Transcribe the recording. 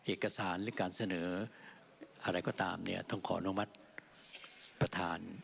เอกสารหรือการเสนออะไรก็ตามเนี่ยต้องขออนุมัติประธาน